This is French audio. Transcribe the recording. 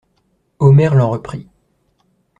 Omer l'en reprit.